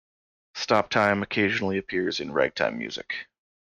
Stop-time occasionally appears in ragtime music.